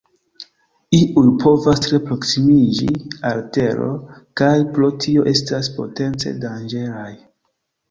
Iuj povas tre proksimiĝi al Tero, kaj pro tio estas potence danĝeraj.